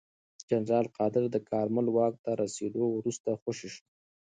جنرال قادر د کارمل واک ته رسېدو وروسته خوشې شو.